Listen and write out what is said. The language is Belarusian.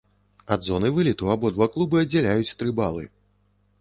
Ад зоны вылету абодва клубы аддзяляюць тры балы.